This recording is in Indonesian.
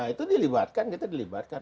itu dilibatkan kita dilibatkan